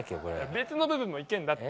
別の部分もいけるんだって。